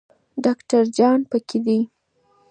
ډاکټر جان پکې دی.